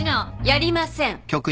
やりません。